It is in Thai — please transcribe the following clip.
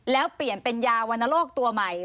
แล้วเปลี่ยนเป็นยาวรรณโรคตัวใหม่